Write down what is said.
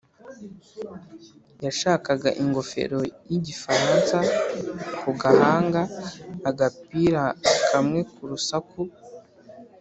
yashakaga ingofero y’igifaransa ku gahanga, agapira kamwe ku rusaku,